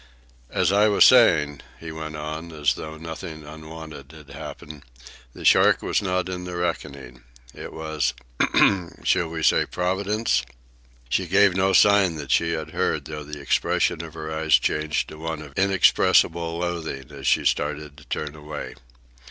"As I was saying," he went on, as though nothing unwonted had happened, "the shark was not in the reckoning. It was—ahem—shall we say Providence?" She gave no sign that she had heard, though the expression of her eyes changed to one of inexpressible loathing as she started to turn away.